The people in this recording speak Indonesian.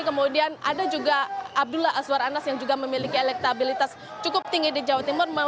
kemudian ada juga abdullah azwar anas yang juga memiliki elektabilitas cukup tinggi di jawa timur